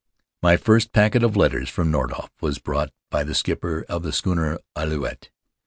My first packet of letters from Nordhoff was brought by the skipper of the schooner Alouette.